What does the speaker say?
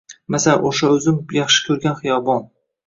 Masalan o’sha o’zim yaxshi ko’rgan xiyobon